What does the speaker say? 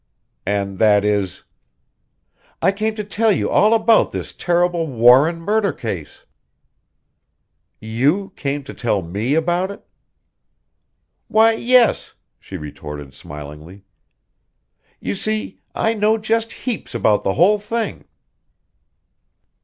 "And that is?" "I came to tell you all about this terrible Warren murder case." "You came to tell me about it?" "Why, yes," she retorted smilingly. "You see, I know just heaps about the whole thing!"